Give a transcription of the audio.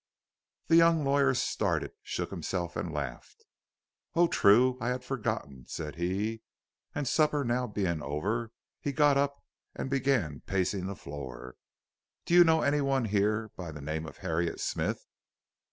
The young lawyer started, shook himself, and laughed. "Oh, true, I had forgotten," said he, and supper being now over he got up and began pacing the floor. "Do you know any one here by the name of Harriet Smith?"